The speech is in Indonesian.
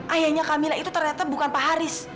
ayahnya camilla itu ternyata bukan pak haris